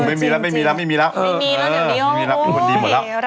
ไม่มีละไม่มีละมีคนดีหมดละ